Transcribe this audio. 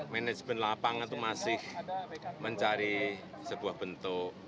manajemen lapangan itu masih mencari sebuah bentuk